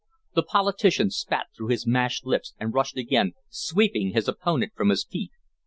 The politician spat through his mashed lips and rushed again, sweeping his opponent from his feet.